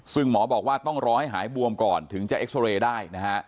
ซึ่งหมอบอกว่าต้องรอให้หายบวมก่อนถึงจะเอ็กซอเรย์ได้นะฮะ